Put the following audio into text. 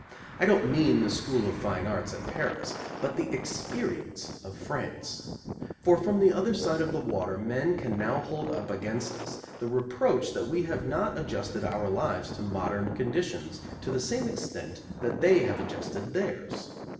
I don't mean the School of Fine Arts at Paris, but the experience of France; for from the other side of the water men can now hold up against us the reproach that we have not adjusted our lives to modern conditions to the same extent that they have adjusted theirs.